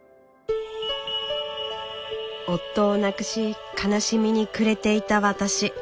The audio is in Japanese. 夫を亡くし悲しみに暮れていた私。